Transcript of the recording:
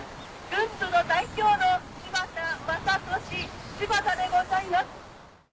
郡部の代表の柴田正敏柴田でございます。